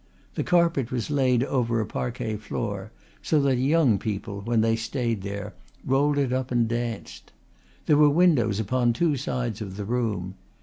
The carpet was laid over a parquet floor so that young people, when they stayed there, rolled it up and danced. There were windows upon two sides of the room.